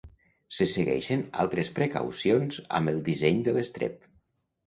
Se segueixen altres precaucions amb el disseny de l'estrep.